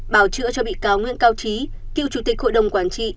bào chữa cho bị cáo nguyễn cao trí cựu chủ tịch hội đồng quản trị